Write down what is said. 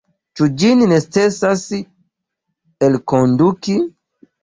Ĉu ĝin necesas elkonduki?